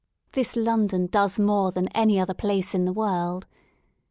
This London does more than any other place in the world.